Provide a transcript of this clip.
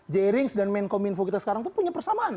jering dan menkominfo kita sekarang tuh punya persamaan